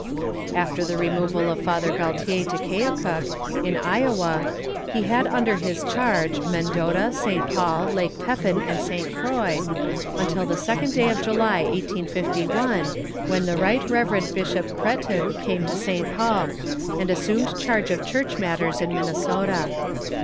After the removal of Father Galtier to Keokuk, in Iowa, he had under his charge, Mendota, St. Paul, Lake Pepin and St. Croix, until the second day of July, 1851, when the Right Reverend Bishop Cretin came to St. Paul, and assumed charge of church matters in Minnesota.